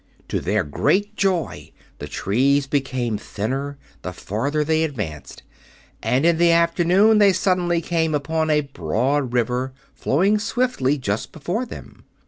To their great joy the trees became thinner the farther they advanced, and in the afternoon they suddenly came upon a broad river, flowing swiftly just before them.